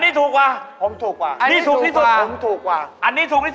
ไอ้ท้องของพี่ถูกกว่า